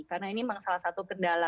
karena ini memang salah satu kendala